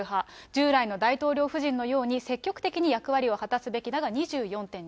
従来の大統領夫人のように積極的に役割を果たすべきだが２４．２